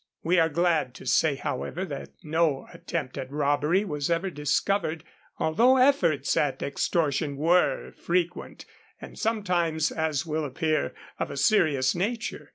We are glad to say, however, that no attempt at robbery was ever discovered, although efforts at extortion were frequent, and sometimes, as will appear, of a serious nature.